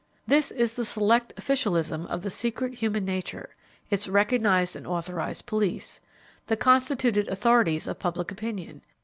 This is the select officialism of the secret human nature, its recognized and authorized police the constituted authorities of Public Opinion.